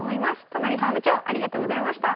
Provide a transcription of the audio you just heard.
都成ファーム長ありがとうございました。